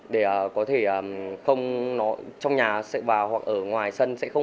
để có thể không nó trong nhà sẽ vào hoặc ở ngoài sân